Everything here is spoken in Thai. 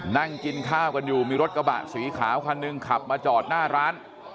นั่งกินข้าวกันอยู่มีรถกระบะสีขาวคันหนึ่งขับมาจอดหน้าร้าน